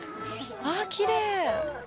あきれい。